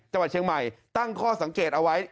จังหวัดเชียงใหม่ตั้งข้อสังเกตเอาไว้